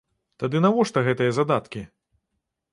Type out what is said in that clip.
Тады навошта гэтыя задаткі?